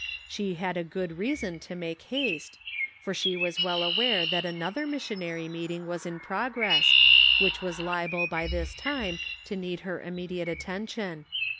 She had good reason to make haste, for she was well aware that another missionary meeting was in progress, which was liable by this time to need her immediate attention.